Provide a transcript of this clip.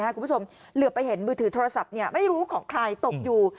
คุณผู้ชมเหลือไปเห็นมือถือโทรศัพท์ไม่รู้ของใครตกอยู่